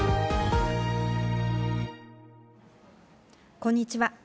こんにちは。